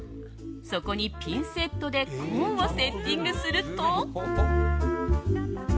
そこにピンセットでコーンをセッティングすると。